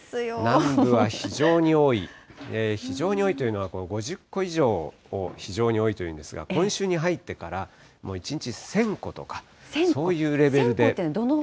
南部は非常に多い、非常に多いというのは、５０個以上を非常に多いというんですが、今週に入ってから、もう１日１０００個とか、そういうレベルの。